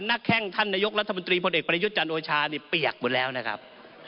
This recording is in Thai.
นักแข้งท่านนายกรัฐบันตรีพลเอกประยุจรรย์โอชาเนี่ยเปียกหมดแล้วนะครับ